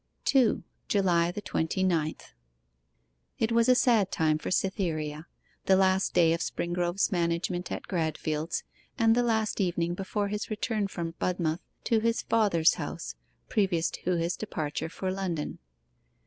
2. JULY THE TWENTY NINTH It was a sad time for Cytherea the last day of Springrove's management at Gradfield's, and the last evening before his return from Budmouth to his father's house, previous to his departure for London.